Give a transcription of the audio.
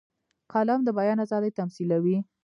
قلم د بیان آزادي تمثیلوي